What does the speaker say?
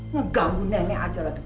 ngegabu nenek aja lagi